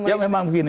ya memang begini